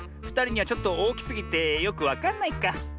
ふたりにはちょっとおおきすぎてよくわかんないか。